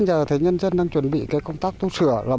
giờ thấy nhân dân đang chuẩn bị công tác thu sửa